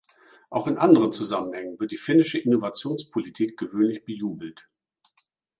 Auch in anderen Zusammenhängen wird die finnische Innovationspolitik gewöhnlich bejubelt.